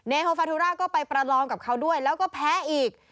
โฮฟาทุราก็ไปประลองกับเขาด้วยแล้วก็แพ้อีก